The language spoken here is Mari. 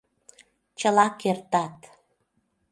Чыла кертат.